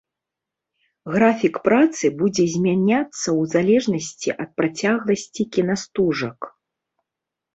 Графік працы будзе змяняцца ў залежнасці ад працягласці кінастужак.